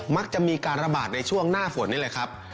มักจะมีการระบาดในช่วงหน้าฝนนี่แหละครับ